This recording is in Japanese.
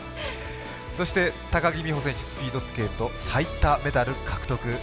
そして、高木美帆選手スピードスケート最多メダル獲得。